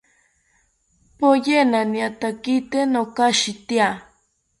Poyena niatakite nokashitya